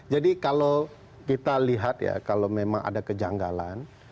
jadi kalau kita lihat ya kalau memang ada kejanggalan